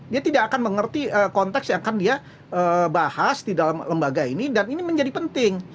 dia tidak akan mengerti konteks yang akan dia bahas di dalam lembaga ini dan ini menjadi penting